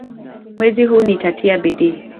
Mwezi huu nitatia bidii